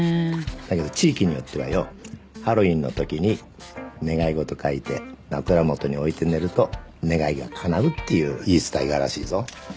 だけど地域によってはよハロウィーンのときに願い事書いて枕元に置いて寝ると願いがかなうっていう言い伝えがあるらしいぞ。